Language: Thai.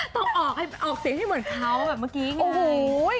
ต้องออกเสียงที่เหมือนเค้าเหมือนเมื่อกี้ไง